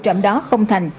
hình ảnh đó không thành